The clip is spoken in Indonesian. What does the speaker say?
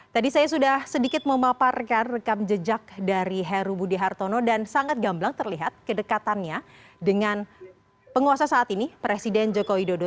tadi saya sudah sedikit memaparkan rekam jejak dari heru budi hartono dan sangat gamblang terlihat kedekatannya dengan penguasa saat ini presiden joko widodo